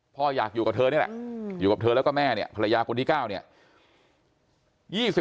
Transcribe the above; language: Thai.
พ่ออยากอยู่กับเธอนี่แหละอยู่กับเธอแล้วก็แม่เนี่ยภรรยาคนที่๙เนี่ย